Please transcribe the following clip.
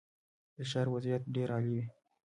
د ښار وضعیت ډېر عالي و.